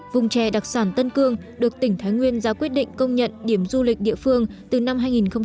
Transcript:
vùng trè đặc sản tân cương được tỉnh thái nguyên ra quyết định công nhận điểm du lịch địa phương từ năm hai nghìn một mươi